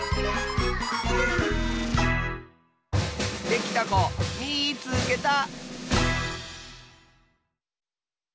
できたこみいつけた！